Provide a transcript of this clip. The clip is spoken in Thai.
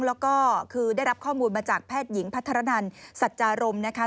แล้วก็คือได้รับข้อมูลมาจากแพทย์หญิงพัฒนันสัจจารมนะคะ